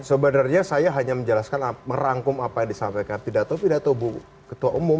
sebenarnya saya hanya menjelaskan merangkum apa yang disampaikan pidato pidato bu ketua umum